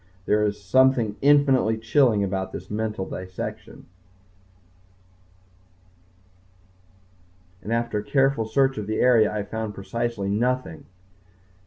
There is something infinitely chilling about this mental dissection. ... and after a careful search of the area I found precisely nothing.